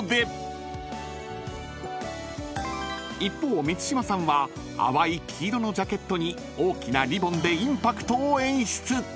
［一方満島さんは淡い黄色のジャケットに大きなリボンでインパクトを演出］